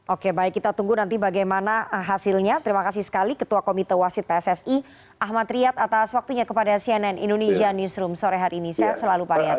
oke baik kita tunggu nanti bagaimana hasilnya terima kasih sekali ketua komite wasit pssi ahmad riyad atas waktunya kepada cnn indonesia newsroom sore hari ini saya selalu pak riyadi